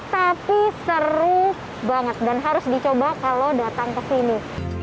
tapi seru banget dan harus dicoba kalau datang ke sini